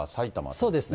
そうですね。